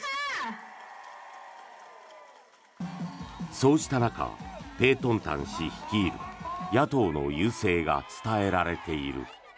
そうした中ペートンタン氏率いる野党の優勢が伝えられている。